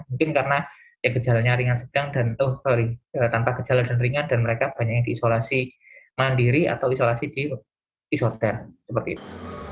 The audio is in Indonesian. mungkin karena gejalanya ringan sedang dan tanpa gejala dan ringan dan mereka banyak yang diisolasi mandiri atau isolasi di isoter seperti itu